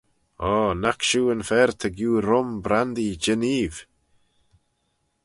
O! naik shiu yn fer ta giu rum, brandee, jeneeve?